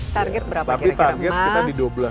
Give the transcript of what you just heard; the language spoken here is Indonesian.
target berapa kira kira